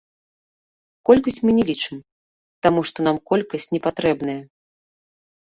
Колькасць мы не лічым, таму што нам колькасць не патрэбная.